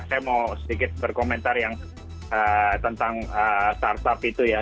saya mau sedikit berkomentar yang tentang startup itu ya